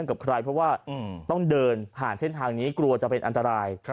กับใครเพราะว่าต้องเดินผ่านเส้นทางนี้กลัวจะเป็นอันตราย